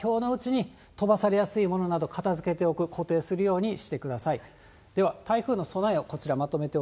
近畿地方の方はきょうのうちに飛ばされやすいものなど、片づけておく、固定するようにしてください。